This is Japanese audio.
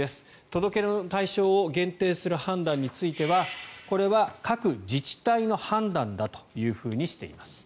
届け出の対象を限定する判断についてはこれは各自治体の判断だというふうにしています。